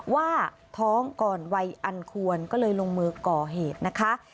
ว่าท้องก่อนวัยอันควรก็เลยลงมือก่อเหตุนะคะ